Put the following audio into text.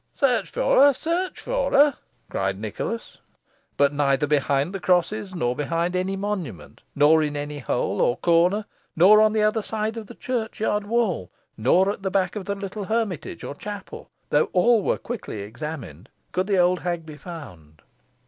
"Search for her search for her," cried Nicholas. But neither behind the crosses, nor behind any monument, nor in any hole or corner, nor on the other side of the churchyard wall, nor at the back of the little hermitage or chapel, though all were quickly examined, could the old hag be found.